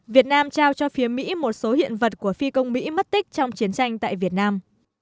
việt nam trao cho phía mỹ một số hiện vật của phi công mỹ mất tích trong chiến tranh tại việt nam